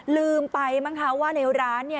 ลืมไปมั้งคะว่าในร้านเนี่ย